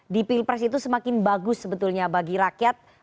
di pilpres itu semakin bagus sebetulnya bagi rakyat